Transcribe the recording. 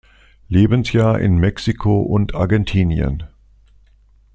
Lebensjahr in Mexiko und Argentinien.